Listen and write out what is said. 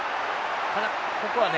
ただここはね